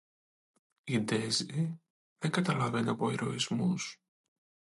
Η Ντέιζη δεν καταλαβαίνει από ηρωισμούς.